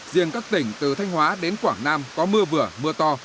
riêng các tỉnh từ thanh hóa đến quảng nam có mưa vừa mưa to